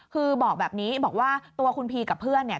คือบอกแบบนี้บอกว่าตัวคุณพีกับเพื่อนเนี่ย